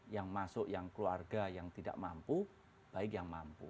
yang masuk yang keluarga yang tidak mampu baik yang mampu